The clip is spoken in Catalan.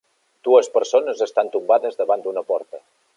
Dues persones estan tombades davant d'una porta.